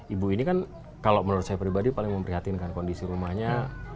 ibu ini kan kalau menurut saya pribadi paling memprihatinkan kondisi rumahnya